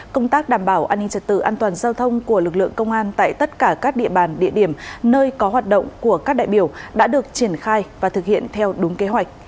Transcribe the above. công tác đảm bảo an ninh trật tự an toàn giao thông của lực lượng công an tại tất cả các địa bàn địa điểm nơi có hoạt động của các đại biểu đã được triển khai và thực hiện theo đúng kế hoạch